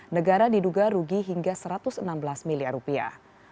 negara diduga rugi hingga satu ratus enam belas miliar rupiah